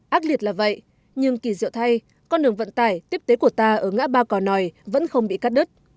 ác liệt là vậy nhưng kỳ diệu thay con đường vận tải tiếp tế của ta ở ngã ba cỏ nòi vẫn không bị cắt đứt